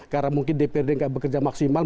karena mungkin dprd nggak bekerja maksimal